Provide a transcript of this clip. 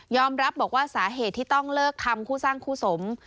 รับบอกว่าสาเหตุที่ต้องเลิกทำคู่สร้างคู่สม